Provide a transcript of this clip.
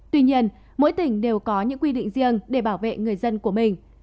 tuy nhiên mỗi tỉnh đều có những quy định riêng để bảo vệ người dân của mình